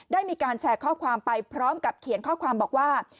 ได้มีการแชร์ข้อความไปพร้อมกับเขียนข้อความบอกว่า